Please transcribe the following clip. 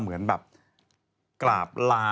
เหมือนแบบกราบลา